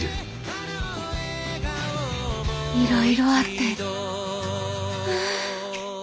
いろいろあってはあ。